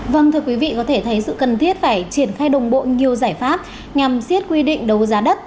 vâng thưa quý vị có thể thấy sự cần thiết phải triển khai đồng bộ nhiều giải pháp nhằm siết quy định đấu giá đất